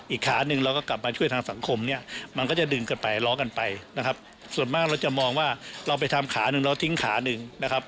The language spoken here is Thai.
อีกขาหนึ่งเราก็กลับมาช่วยทางสังคมเนี่ยมันก็จะดึงกันไปล้อกันไปนะครับส่วนมากเราจะมองว่าเราไปทำขาหนึ่งเราทิ้งขาหนึ่งนะครับ